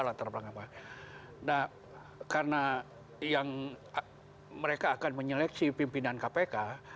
karena mereka akan menyeleksi pimpinan kpk